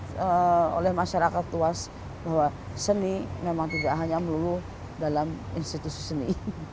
saya oleh masyarakat tuas bahwa seni memang tidak hanya melulu dalam institusi seni